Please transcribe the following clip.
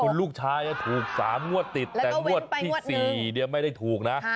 คุณลูกชายถูก๓งวดติดแต่งวดที่๔ไม่ได้ถูกนะ